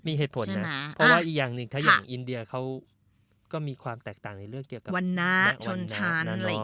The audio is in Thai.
มีเหตุผลนะเพราะว่าอีกอย่างหนึ่งถ้าอย่างอินเดียเขาก็มีความแตกต่างในเรื่องเกี่ยวกับวันชาติ